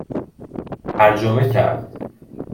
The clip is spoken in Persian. ترجمه کرد